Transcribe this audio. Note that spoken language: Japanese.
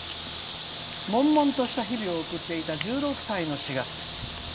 「もんもんとした日々を送っていた１６歳の夏。